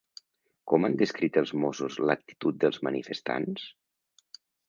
Com han descrit els Mossos l'actitud dels manifestants?